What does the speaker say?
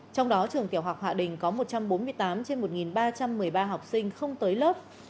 trong đó trường tiểu học hạ đình có một trăm bốn mươi tám trên một ba trăm một mươi ba học sinh không tới lớp